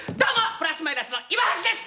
プラス・マイナスの岩橋です！